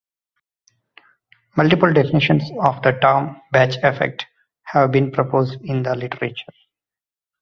Multiple definitions of the term "batch effect" have been proposed in the literature.